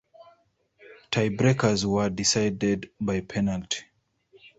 Tiebreakers were decided by penalty.